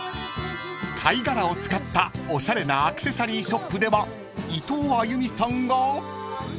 ［貝殻を使ったおしゃれなアクセサリーショップでは伊藤歩さんが］